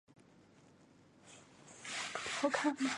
子裴栻是成泰十年进士。